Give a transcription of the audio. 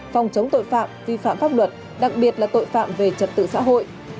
phòng chống tội phạm vi phạm pháp luật đặc biệt là tội phạm về trật tự xã hội